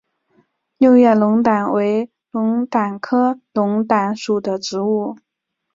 六叶龙胆为龙胆科龙胆属的植物。